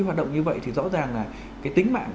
hoạt động như vậy thì rõ ràng là cái tính mạng